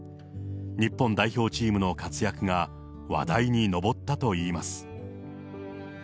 日本代表チームの活躍が話題に上ったといいます。